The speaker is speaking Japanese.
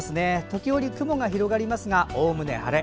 時折、雲が広がりますがおおむね晴れ。